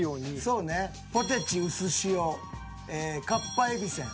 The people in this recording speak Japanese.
そうねポテチうすしおええかっぱえびせん。